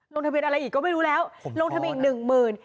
ลงทะเบียนอะไรอีกก็ไม่รู้แล้วลงทะเบียนอีกหนึ่งหมื่น